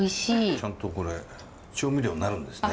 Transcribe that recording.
ちゃんとこれ調味料になるんですね。